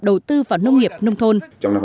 đầu tư vào nông nghiệp nông thôn